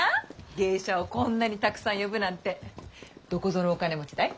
芸者をこんなにたくさん呼ぶなんてどこぞのお金持ちだい？